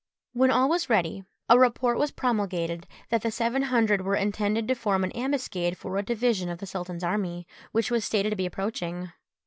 When all was ready, a report was promulgated that the seven hundred were intended to form an ambuscade for a division of the sultan's army, which was stated to be approaching.